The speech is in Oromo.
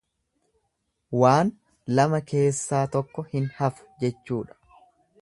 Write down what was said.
Waan lama keessaa tokko hin hafu jechuudha.